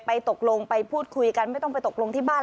ตกลงไปพูดคุยกันไม่ต้องไปตกลงที่บ้าน